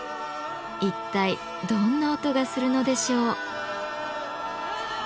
一体どんな音がするのでしょう？